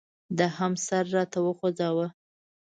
ده هم سر راته وخوځاوه.